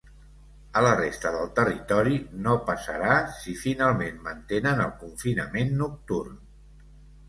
A la resta del territori no passarà si finalment mantenen el confinament nocturn.